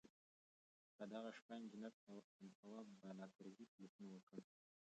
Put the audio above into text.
په دغه شپه انجنیر تواب بالاکرزی تیلفون وکړ.